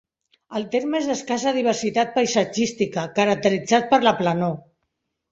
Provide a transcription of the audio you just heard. El terme és d'escassa diversitat paisatgística, caracteritzat per la planor.